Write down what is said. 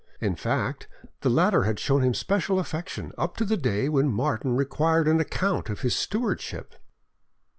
In fact, the latter had shown him special affection up to the day when Martin required an account of his stewardship.